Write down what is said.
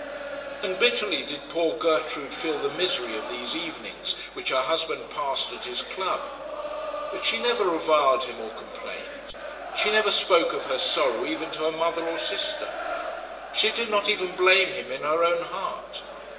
And bitterly did poor Gertrude feel the misery of these evenings which her husband passed at his club; but she never reviled him or complained; she never spoke of her sorrow even to her mother or sister. She did not even blame him in her own heart.